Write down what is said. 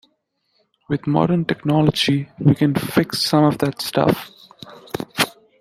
With modern technology, we can fix some of that stuff.